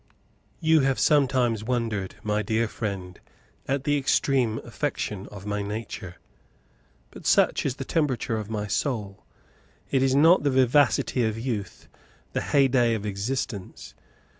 You have sometimes wondered, my dear friend, at the extreme affection of my nature. But such is the temperature of my soul. It is not the vivacity of youth, the heyday of existence.